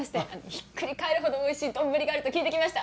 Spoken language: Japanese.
ひっくり返るほどおいしい丼があると聞いて来ました。